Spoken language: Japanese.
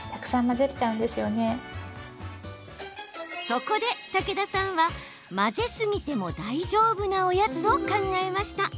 そこで、武田さんは混ぜすぎても大丈夫なおやつを考えました。